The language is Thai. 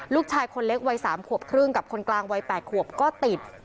ลูกชายคนเล็กวัย๓ขวบครึ่งกับคนกลางวัย๘ขวบก็ติด